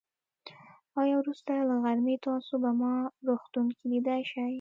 آيا وروسته له غرمې تاسو ما په روغتون کې ليدای شئ.